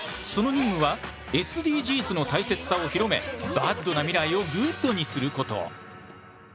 その任務はＳＤＧｓの大切さを広めＢａｄな未来をＧｏｏｄにすること。